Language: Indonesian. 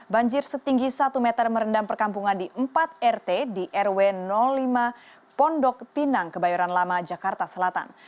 banjir setinggi satu meter merendam perkampungan di empat rt di rw lima pondok pinang kebayoran lama jakarta selatan